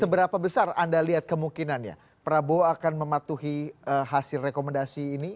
seberapa besar anda lihat kemungkinannya prabowo akan mematuhi hasil rekomendasi ini